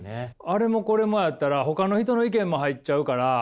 あれもこれもやったらほかの人の意見も入っちゃうから。